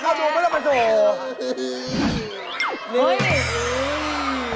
ทำไมเข้าดูไม่ต้องมาโชว์